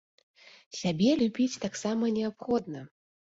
Сябе любіць таксама неабходна.